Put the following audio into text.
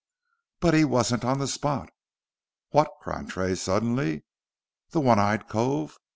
"But he wasn't on the spot?" "Wot," cried Tray, suddenly, "the one eyed cove?